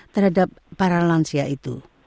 terhadap para lansia itu